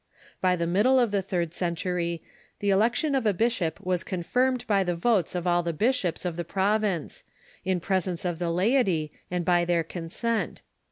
By the middle of the third century, the election of a bishop was confirmed by the votes of all the bishops of the province, in presence of the laity, and by their consent.